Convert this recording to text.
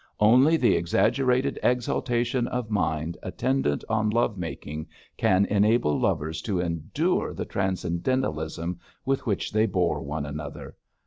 Only the exaggerated exaltation of mind attendant on love making can enable lovers to endure the transcendentalism with which they bore one another.